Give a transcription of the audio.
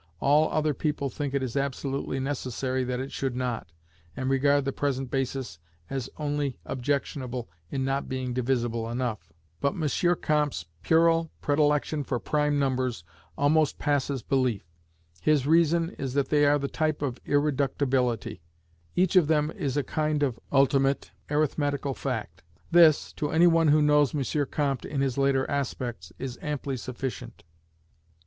All other people think it absolutely necessary that it should not, and regard the present basis as only objectionable in not being divisible enough. But M. Comte's puerile predilection for prime numbers almost passes belief. His reason is that they are the type of irreductibility: each of them is a kind of ultimate arithmetical fact. This, to any one who knows M. Comte in his later aspects, is amply sufficient.